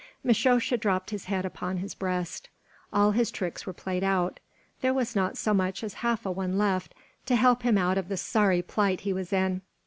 Mishosha dropped his head upon his breast. All his tricks were played out there was not so much as half a one left to help him ont of the sorry plight he was in.